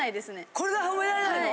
これが褒められないの？